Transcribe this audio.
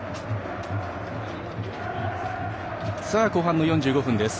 後半４５分です。